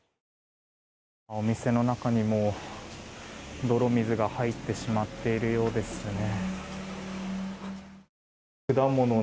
お店の中にも泥水が入ってしまっているようですね。